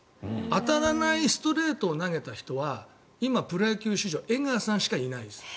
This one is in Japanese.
当たらないストレートを投げた人は今、プロ野球史上江川さんしかいないです。